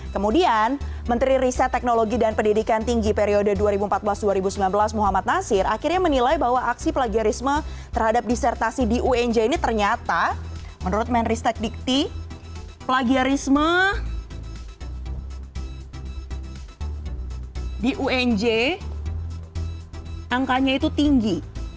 kemudian menteri riset teknologi dan pendidikan tinggi periode dua ribu empat belas dua ribu sembilan belas muhammad nasir akhirnya menilai bahwa aksi plagiarisme terhadap disertasi di unj ini ternyata menurut menristek dikti plagiarisme di unj angkanya itu tinggi